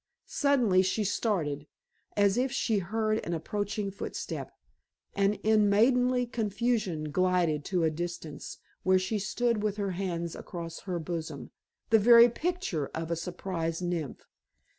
Suddenly she started, as if she heard an approaching footstep, and in maidenly confusion glided to a distance, where she stood with her hands across her bosom, the very picture of a surprised nymph.